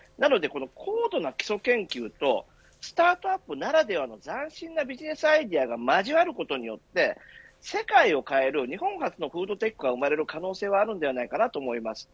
高度な基礎研究とスタートアップならではの斬新なビジネスアイデアが交わることで世界を変える日本初のフードテックが生まれる可能性があるのではと思います。